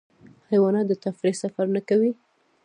حیوانات د تفریح سفر نه کوي.